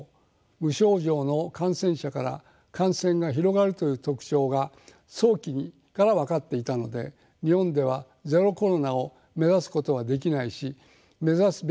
無症状の感染者から感染が広がるという特徴が早期から分かっていたので日本では「ゼロコロナ」を目指すことはできないし目指すべきではないと考え